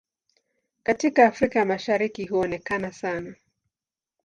Katika Afrika ya Mashariki huonekana sana.